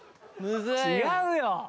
違うよ！